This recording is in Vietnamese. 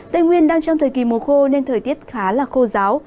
tây nguyên đang trong thời kỳ mùa khô nên thời tiết khá là khô giáo